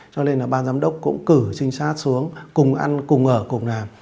cho nên là ban giám đốc cũng cử trinh sát xuống cùng ăn cùng ở cùng làm